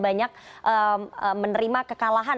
banyak menerima kekalahan